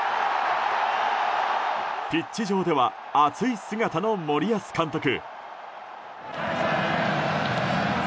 ピッチ上では熱い姿の森保監督。